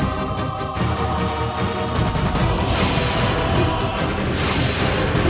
re tentang kinty raksasa